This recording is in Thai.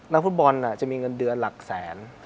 นักฟุตบอลจะมีเงินเดือนหลักแสน